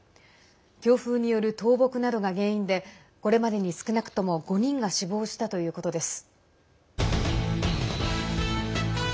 強風による倒木などが原因でこれまでに少なくとも５人が死亡したということです。